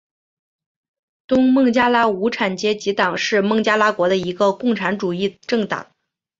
东孟加拉无产阶级党是孟加拉国的一个共产主义政党。